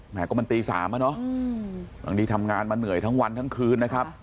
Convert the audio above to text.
แม้ก็มันตีสามน่ะเนอะหลังนี้ทำงานมาเหนื่อยทั้งวันทั้งคืนนะครับ